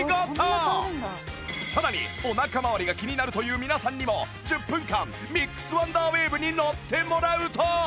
さらにお腹まわりが気になるという皆さんにも１０分間ミックスワンダーウェーブに乗ってもらうと